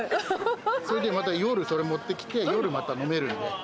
それでまた夜それ持ってきて、夜また飲めるんで。